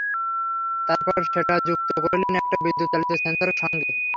তারপর সেটা যুক্ত করলেন একটা বিদ্যুৎ-চালিত সেন্সরের সঙ্গে।